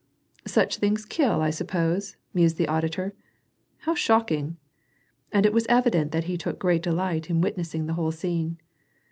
"Such things kill I suppose?" mused the auditor, "How shocking!" And it was evident that he took great delight in witnessing the whole scene.